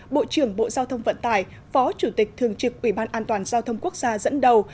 bộ trưởng bộ giao thông vận tải phó chủ tịch thường trực ủy ban an toàn giao thông quốc gia dẫn đầu